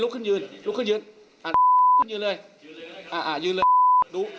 ลุกขึ้นยืนลุกขึ้นยืนอ่ะยืนเลยอ่ะอ่ะยืนเลยดู